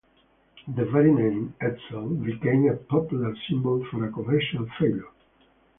The very name "Edsel" became a popular symbol for a commercial failure.